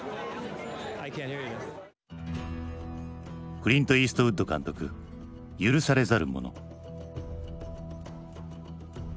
クリント・イーストウッド監督「許されざる者」。